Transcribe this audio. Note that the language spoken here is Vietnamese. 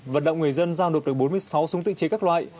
vận động người dân giao nộp được bốn mươi sáu súng tự chế các loại